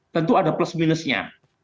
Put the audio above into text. tentu ada plus minusnya